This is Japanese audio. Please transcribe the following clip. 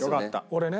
俺ね